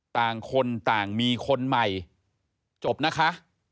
ต่างคนต่างมีคนใหม่จบนะคะ